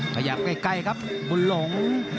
ขยับใกล้ครับบุญหลง